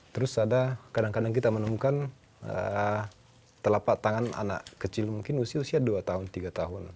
terus ada kadang kadang kita menemukan telapak tangan anak kecil mungkin usia usia dua tahun tiga tahun